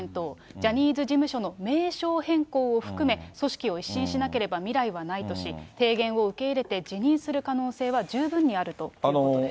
ジャニーズ事務所の名称変更を含め、組織を一新しなければ未来はないとし、提言を受け入れて辞任する可能性は十分にあるということです。